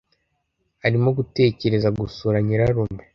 Arimo gutekereza gusura nyirarume.